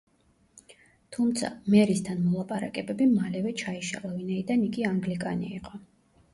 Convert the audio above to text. თუმცა, მერისთან მოლაპარაკებები მალევე ჩაიშალა, ვინაიდან იგი ანგლიკანი იყო.